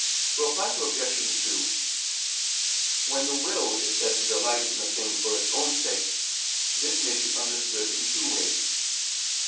Reply Obj. 2: When the will is said to delight in a thing for its own sake, this may be understood in two ways.